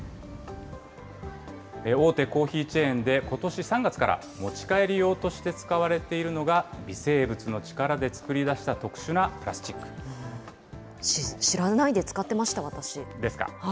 大手コーヒーチェーンで、ことし３月から持ち帰り用として使われているのが、微生物の力で作り出した特殊なプラスチック。ですか。